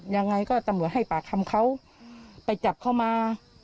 ยังไงก็ตำรวจให้ปากคำเขาไปจับเขามา